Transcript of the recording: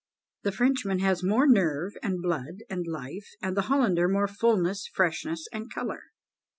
The Frenchman has more nerve, and blood, and life, and the Hollander more fulness, freshness, and colour."